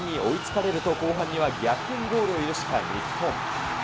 しかし前半のうちに同点に追いつかれると、後半には逆転ゴールを許した日本。